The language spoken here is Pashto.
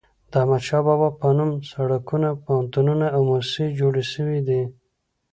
د احمد شاه بابا په نوم سړکونه، پوهنتونونه او موسسې جوړي سوي دي.